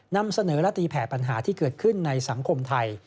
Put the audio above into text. นำเสนอและตีแผ่ปัญหาที่เกิดขึ้นในสังคมไทย